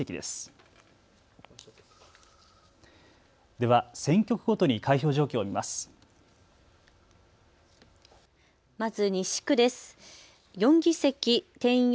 では選挙区ごとに開票状況を見ます。